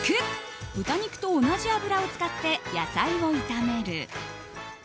６豚肉と同じ油を使って野菜を炒める。